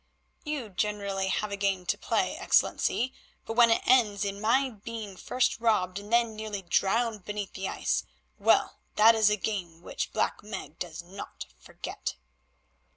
"You generally have a game to play, Excellency, but when it ends in my being first robbed and then nearly drowned beneath the ice—well, that is a game which Black Meg does not forget."